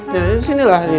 ya ya sini lah